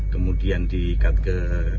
kemudian diikat ke